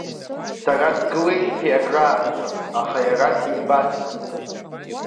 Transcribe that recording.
Сара сгылеижьҭеи акрааҵуан, аха иара симбацызт.